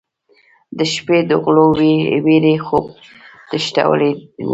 د شپې د غلو وېرې خوب تښتولی و.